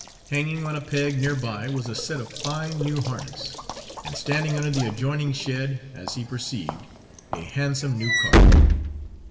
Hanging on a peg near by was a set of fine new harness, and standing under the adjoining shed, as he perceived, a handsome new cart.